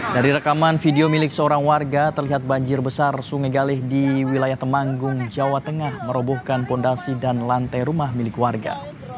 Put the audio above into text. dari rekaman video milik seorang warga terlihat banjir besar sungai galih di wilayah temanggung jawa tengah merobohkan fondasi dan lantai rumah milik warga